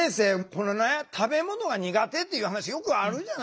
これね食べ物が苦手っていう話よくあるじゃないですか。